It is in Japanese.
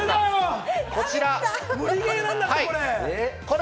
ムリゲーなんだってこれ。